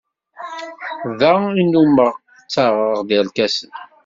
Da i nnummeɣ ttaɣeɣ-d irkasen.